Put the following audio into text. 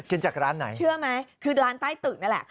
จากร้านไหนเชื่อไหมคือร้านใต้ตึกนั่นแหละ